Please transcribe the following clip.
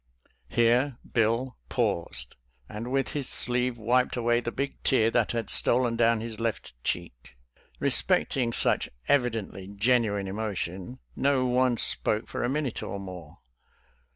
Here Bill paused, and with his sleeve wiped away the big tear that had stolen down his left cheek. Eespecting such evidently genuine emo tion, no one spoke for a minute or more.